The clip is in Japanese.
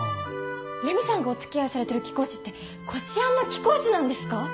麗美さんがお付き合いされてる貴公子ってこし餡の貴公子なんですか？